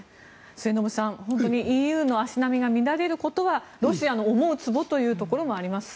末延さん、本当にＥＵの足並みが乱れることはロシアの思うつぼというところもあります。